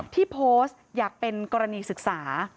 ที่โพสต์อยากเป็นกรณีศึกษา